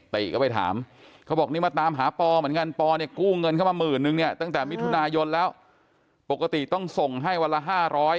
ติก็ไปถามเขาบอกนี่มาตามหาปอเหมือนกันปอเนี่ยกู้เงินเข้ามาหมื่นนึงเนี่ยตั้งแต่มิถุนายนแล้วปกติต้องส่งให้วันละ๕๐๐